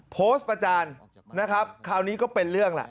โพสต์ประจานนะครับคราวนี้ก็เป็นเรื่องแหละ